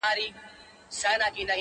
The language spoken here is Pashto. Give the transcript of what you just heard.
هم لوېدلی یې له پامه د خپلوانو-